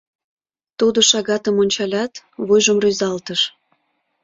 Тудо шагатым ончалят, вуйжым рӱзалтыш: